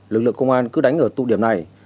lực lượng công an cứ đánh ở tụ điểm này